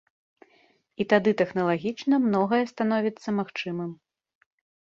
І тады тэхналагічна многае становіцца магчымым.